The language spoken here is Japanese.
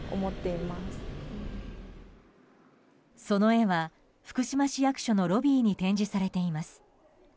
その絵は福島市役所のロビーに展示されています。